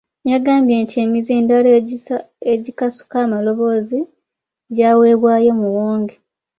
Yagambye nti emizindaalo egikasuka amaloboozi gyaweebwayo Muwonge.